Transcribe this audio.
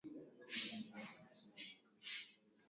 gazeti la new york times lilichapisha hadithi ya edward